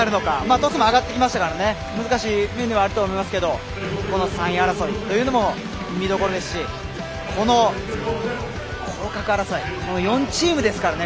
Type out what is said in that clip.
鳥栖も上がってきましたから難しい局面ではあると思いますけどこの３位争いというのも見どころですしこの降格争い４チームですからね。